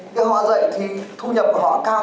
thì họ giảng dạy thì thu nhập của họ cao như vậy